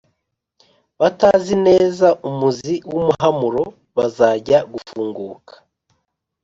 batazi neza umuzi n'umuhamuro. bazajya gufunguka